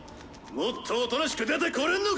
「もっとおとなしく出てこれんのか⁉」。